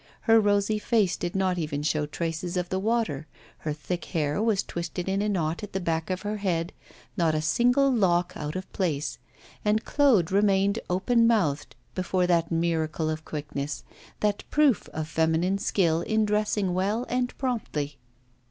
Her rosy face did not even show traces of the water, her thick hair was twisted in a knot at the back of her head, not a single lock out of place. And Claude remained open mouthed before that miracle of quickness, that proof of feminine skill in dressing well and promptly.